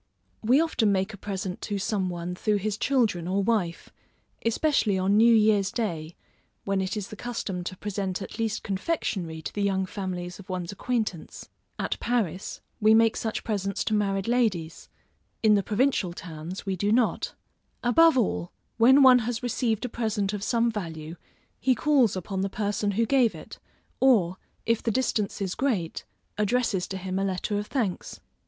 We often make a present to some one through his children or wife, especially on new year's day, when it is the custom to present at least confectionary to the young families of one's acquaintance. At Paris, we make such presents to married ladies; in the provincial towns, we do not. Above all, when one has received a present of some value, he calls upon the person who gave it, or, if the distance is great, addresses to him a letter of thanks.